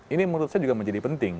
ini menurut saya juga menjadi penting